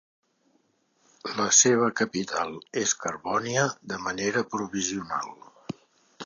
La seva capital és Carbonia de manera provisional.